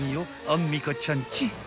アンミカちゃんち］